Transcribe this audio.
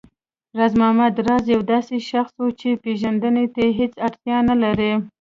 راز محمد راز يو داسې شخص و چې پېژندنې ته هېڅ اړتيا نه لري